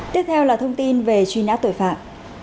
tiếp theo là thông tin về truy nã tội phạm